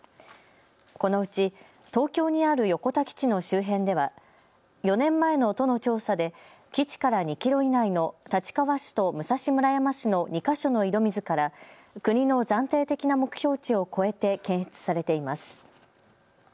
このうち東京にある横田基地の周辺では４年前の都の調査で基地から２キロ以内の立川市と武蔵村山市の２か所の井戸水から国の暫定的な目標値を超えて検出されています。